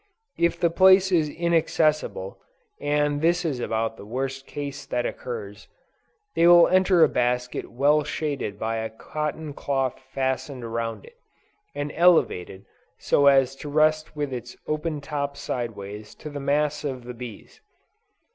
If the place is inaccessible, and this is about the worst case that occurs, they will enter a basket well shaded by cotton cloth fastened around it, and elevated so as to rest with its open top sideways to the mass of the bees.